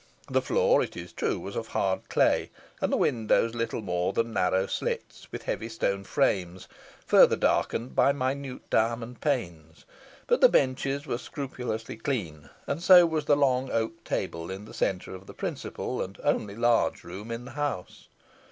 The floor, it is true, was of hard clay, and the windows little more than narrow slits, with heavy stone frames, further darkened by minute diamond panes; but the benches were scrupulously clean, and so was the long oak table in the centre of the principal and only large room in the house.